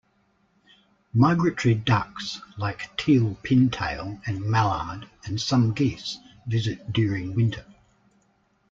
Migratory ducks like Teal Pin tail and mallard and some geese visit during winter.